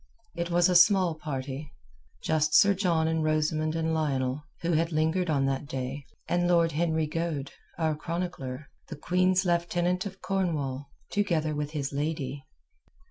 It was a small party. Just Sir John and Rosamund and Lionel, who had lingered on that day, and Lord Henry Goade—our chronicler—the Queen's Lieutenant of Cornwall, together with his lady.